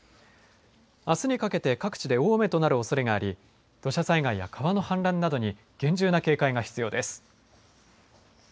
あすにかけて各地で大雨となるおそれがあり、土砂災害や川の氾濫などに厳重な警戒が必要です。